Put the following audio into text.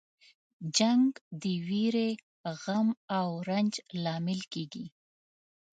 جنګ د ویرې، غم او رنج لامل کیږي.